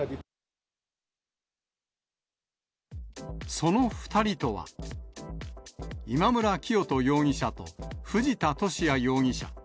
その２人とは、今村磨人容疑者と藤田聖也容疑者。